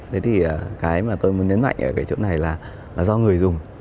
thế thì cái mà tôi muốn nhấn mạnh ở cái chỗ này là do người dùng